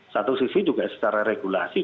satu sisi juga secara regulasi